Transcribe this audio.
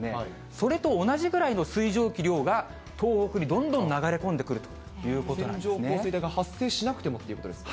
それと同じぐらいの水蒸気量が、東北にどんどん流れ込んでくると線状降水帯が発生しなくてもということですか？